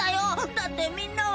だってみんなは。